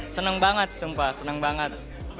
seneng banget sumpah seneng banget